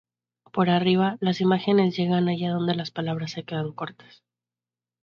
Por arriba, las imágenes llegan allá donde las palabras se quedan cortas.